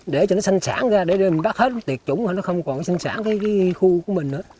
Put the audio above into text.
để cho nó sanh sản ra để mình bắt hết tiệt chủng nó không còn sanh sản cái khu của mình nữa